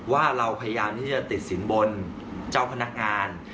ว่าเราพยายามที่จะติดสินบนเจ้าพนักงาน